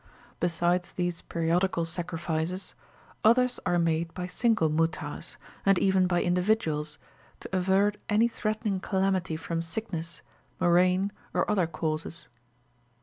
Besides these periodical sacrifices, others are made by single mootahs, and even by individuals, to avert any threatening calamity from sickness, murrain, or other causes.